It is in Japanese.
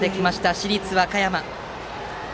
市立和歌山。